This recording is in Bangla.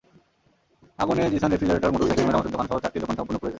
আগুনে জিসান রেফ্রিজারেটর, মোটরসাইকেল মেরামতের দোকানসহ চারটি দোকান সম্পূর্ণ পুড়ে যায়।